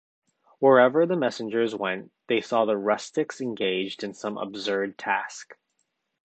Wherever the messengers went, they saw the rustics engaged in some absurd task.